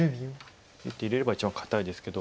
１手入れれば一番堅いですけど。